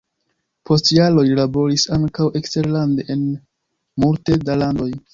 Post jaroj li laboris ankaŭ eksterlande en multe da landoj.